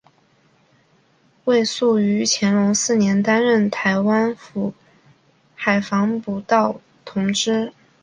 魏素于乾隆四年担任台湾府海防补盗同知。